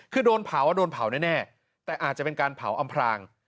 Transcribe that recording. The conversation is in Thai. คือโดนเผาโดนเผาแน่แต่อาจจะเป็นการเผาอำพราง